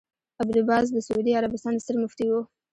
ابن باز د سعودي عربستان ستر مفتي وو